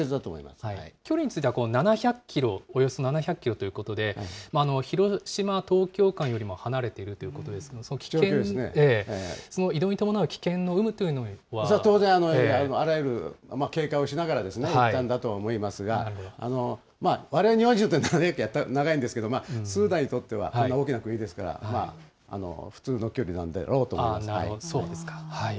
距離についてはおよそ７００キロということで、広島・東京間よりも離れているということですので、その移動に伴う危険の有無という当然、あらゆる警戒をしながら行ったんだとは思いますが、われわれ日本人にとっては長いんですけれども、スーダンにとっては、大きな国ですから、普通の距離なそうですか。